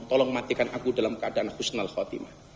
tolong matikan aku dalam keadaan husnal khotimah